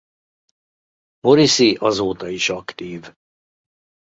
Morrissey azóta is aktív.